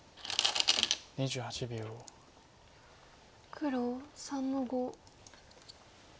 黒３の五。